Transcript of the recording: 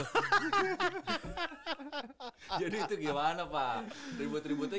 dia lari ke pojok tapi di pinggir lapangan ada ribut ribut tuh